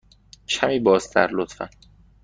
کمی بازتر، لطفاً.